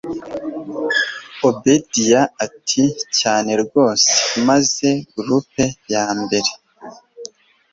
obedia ati cyane rwose maze group yambere